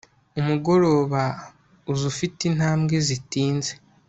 Umugoroba uza ufite intambwe zitinze